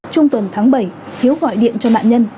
trung tuần tháng bảy hiếu gọi điện cho nạn nhân